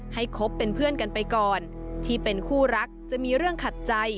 คบเป็นเพื่อนกันไปก่อนที่เป็นคู่รักจะมีเรื่องขัดใจ